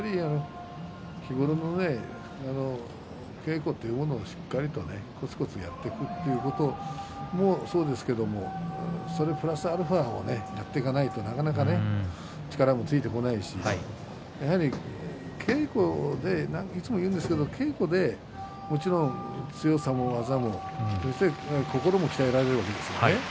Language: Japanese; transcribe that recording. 日頃の稽古というものをしっかりこつこつやっていくということも、そうですけれどもそれプラスアルファをねやっていかないと、なかなかね力もついてこないしやはり稽古でいつも言うんですけど稽古でもちろん強さも技も心も鍛えられるわけですよ。